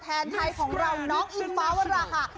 แทนไทยของเราน้องอิงฟ้าวราหะ